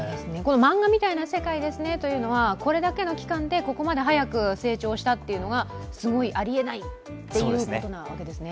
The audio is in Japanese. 漫画みたいな世界ですねというのは、これだけの期間でここまで速く成長したというのがすごい、ありえないということなわけですね。